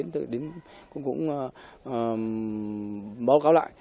thì cũng báo cáo lại